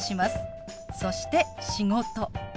そして「仕事」。